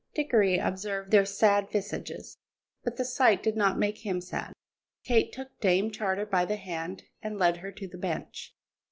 Dickory observed their sad visages, but the sight did not make him sad. Kate took Dame Charter by the hand and led her to the bench.